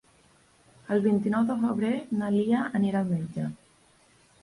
El vint-i-nou de febrer na Lia anirà al metge.